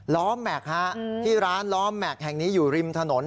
ล้อแม็กซ์ฮะที่ร้านล้อแม็กซ์แห่งนี้อยู่ริมถนน